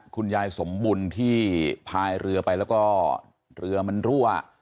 คุณยายสมบุญที่พายเรือไปแล้วก็เรือมันรั่ว